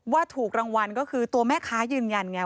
ถูกรางวัลก็คือตัวแม่ค้ายืนยันไง